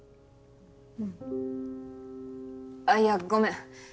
うん。いやごめん。